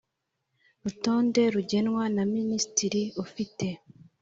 rutonde rugenwa na Minisitiri ufite